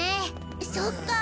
そっか。